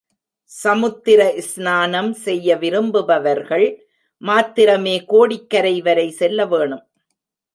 சமுத்திர ஸ்நானம் செய்ய விரும்புவர்கள் மாத்திரமே கோடிக்கரைவரை செல்லவேணும்.